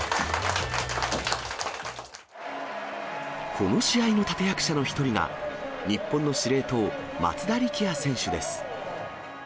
この試合の立て役者の１人が、日本の司令塔、松田力也選手です。